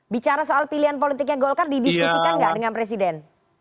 bicara soal pilihan politiknya golkar didiskusikan nggak dengan presiden